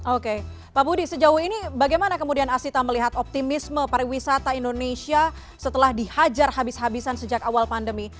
oke pak budi sejauh ini bagaimana kemudian asita melihat optimisme pariwisata indonesia setelah dihajar habis habisan sejak awal pandemi